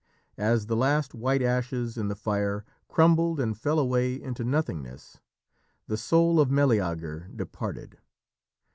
As the last white ashes in the fire crumbled and fell away into nothingness, the soul of Meleager departed.